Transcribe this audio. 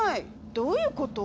どういうこと？